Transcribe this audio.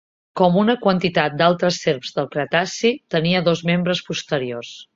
Com una quantitat d'altres serps del cretaci, tenia dos membres posteriors.